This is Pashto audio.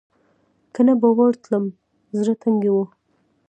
که نه به ورتلم زړه تنګۍ و.